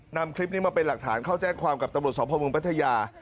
นำคลิปนี้มาเป็นหลักฐานเข้าแจ้งความกับตำรวจสพเมืองพัทยา